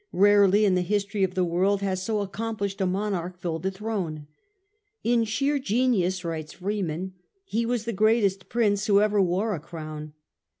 Rarely in the history of the world has so accomplished a monarch filled a throne. " In sheer genius," writes Freeman, " he was the greatest prince who ever wore a crown."